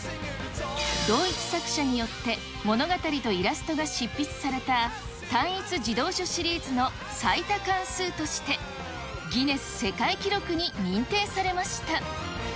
同一作者によって物語とイラストが執筆された単一児童書シリーズの最多巻数として、ギネス世界記録に認定されました。